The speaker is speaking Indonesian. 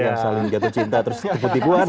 yang saling jatuh cinta terus tipe tipuan ya